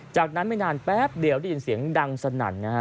จากนั้นไม่นานแป๊บเดียวได้ยินเสียงดังสนั่นนะฮะ